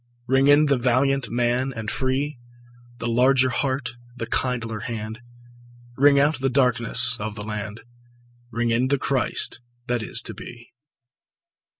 Ring in the valiant man and free, The larger heart, the kindlier hand; Ring out the darkenss of the land, Ring in the Christ that is to be.